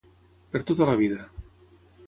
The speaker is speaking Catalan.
Per tota la vida.